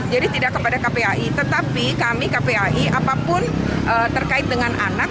jadi tidak kepada kpai tetapi kami kpai apapun terkait dengan anak